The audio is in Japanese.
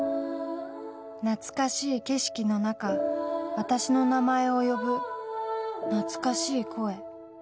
懐かしい景色の中私の名前を呼ぶ懐かしい声。